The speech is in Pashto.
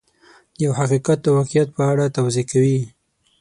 د یو حقیقت او واقعیت په اړه توضیح کوي.